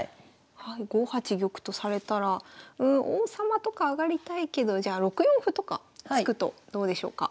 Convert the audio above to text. ５八玉とされたらうん王様とか上がりたいけどじゃあ６四歩とか突くとどうでしょうか？